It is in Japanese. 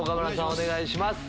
お願いします。